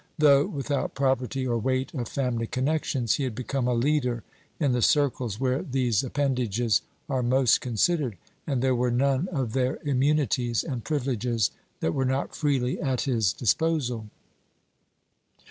Though without property or weight of family connections, he had become a leader in the circles where these appendages are most considered, and there were none of their immunities and privileges that were not freely at his disposal.